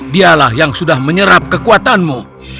dialah yang sudah menyerap kekuatanmu